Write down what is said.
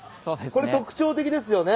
これ特徴的ですよね。